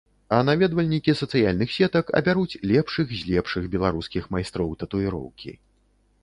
А наведвальнікі сацыяльных сетак абяруць лепшых з лепшых беларускіх майстроў татуіроўкі.